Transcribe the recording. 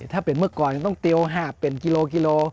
ถ้าเป็นเมื่อก่อนต้องเตียวหาบเป็นกิโล